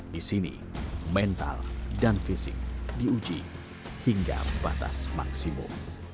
di sini mental dan fisik diuji hingga batas maksimum